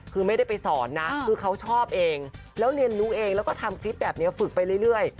คือไม่ได้ไปสอนนะคือเขาชอบเองแล้วเรียนรู้เองแล้วก็ทำคลิปแบบนี้ฝึกไปเรื่อย